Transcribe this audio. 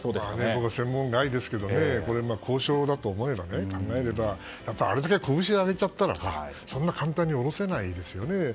僕は専門外ですけどこれも交渉だと考えればあれだけこぶしを上げちゃったらそんなに簡単に下ろせないですよね。